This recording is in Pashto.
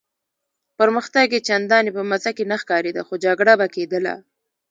پرمختګ یې چنداني په مزه کې نه ښکارېده، خو جګړه به کېدله.